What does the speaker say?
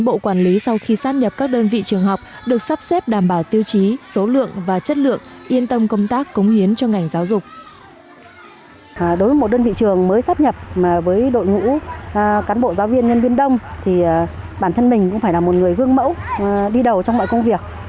với đội ngũ cán bộ giáo viên nhân viên đông thì bản thân mình cũng phải là một người gương mẫu đi đầu trong mọi công việc